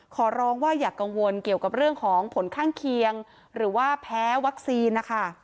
ขอร้องว่าอย่ากังวลเกี่ยวกับเรื่องของผลข้างเคียงหรือว่าแพ้วัคซีนนะคะ